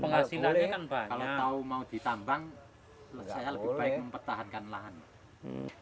kalau tahu mau ditambang saya lebih baik mempertahankan lahannya